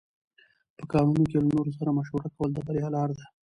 په کارونو کې له نورو سره مشوره کول د بریا لاره ده.